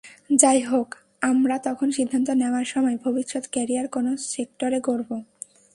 যা-ই হোক, আমার তখন সিদ্ধান্ত নেওয়ার সময়, ভবিষ্যৎ ক্যারিয়ার কোন সেক্টরে গড়ব।